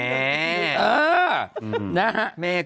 เออนะฮะเหม่คุณ